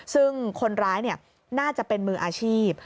ซึ่งคนร้ายน่าจะเป็นมืออาชีพ